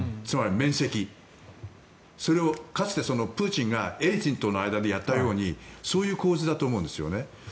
つまり免責それを、かつてプーチンがエリツィンとの間でやったような構図だと思うんですね。